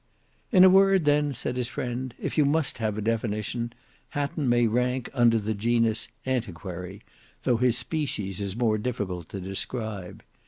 "In a word, then," said his friend, "if you must have a definition, Hatton may rank under the genus 'antiquary,' though his species is more difficult to describe.